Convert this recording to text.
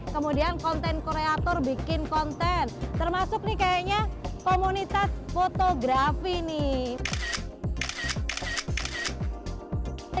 kemudian konten kreator bikin konten termasuk nih kayaknya komunitas fotografi nih